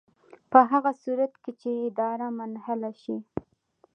په هغه صورت کې چې اداره منحله شي.